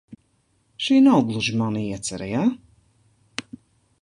Šī nav gluži mana iecere, ja?